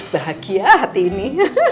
bahagia hati ini